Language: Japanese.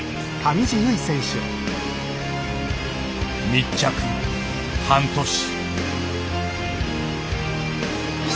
密着半年。